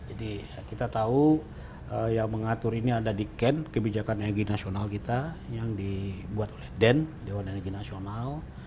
jadi kita tahu yang mengatur ini ada di ken kebijakan energi nasional kita yang dibuat oleh den dewan energi nasional